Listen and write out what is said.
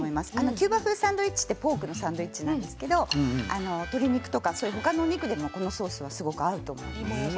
キューバ風サンドイッチはポークのサンドイッチなんですけれども鶏肉とか他のお肉でもこのソースは合うと思います。